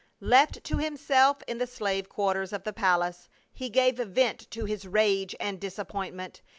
Left to himself in the slave quarters of the palace he gave vent to his rage and disappointment.